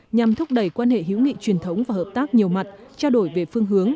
nhằm thúc đẩy quan hệ hữu nghị truyền thống và hợp tác nhiều mặt trao đổi về phương hướng